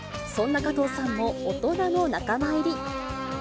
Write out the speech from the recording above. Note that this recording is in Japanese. そんな加藤さんも大人の仲間入り。